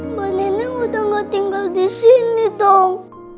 mbak nenek udah gak tinggal disini dong